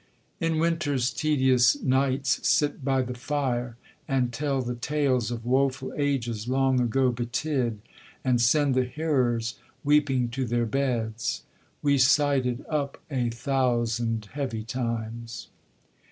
'In winter's tedious nights sit by the fire, —and tell the tales Of woful ages long ago betid; And send the hearers weeping to their beds. We cited up a thousand heavy times.'